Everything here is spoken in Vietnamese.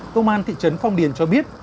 công an thị trấn phong điền cho biết